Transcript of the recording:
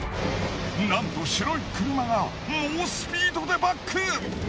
なんと白い車が猛スピードでバック。